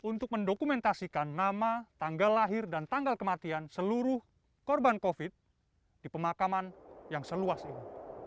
untuk mendokumentasikan nama tanggal lahir dan tanggal kematian seluruh korban covid di pemakaman yang seluas ini